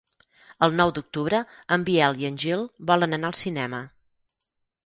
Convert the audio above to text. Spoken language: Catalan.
El nou d'octubre en Biel i en Gil volen anar al cinema.